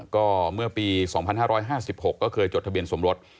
ก็เมื่อปี๒๕๕๖ก็เคยจดทะเบียนสมรส